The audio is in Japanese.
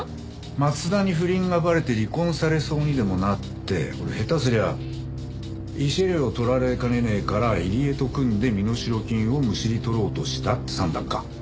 松田に不倫がバレて離婚されそうにでもなってこれ下手すりゃ慰謝料を取られかねねえから入江と組んで身代金をむしり取ろうとしたって算段か。